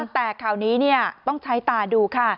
แต่ข้าวนี้เนี่ยต้องใช้ตาดูค่ะ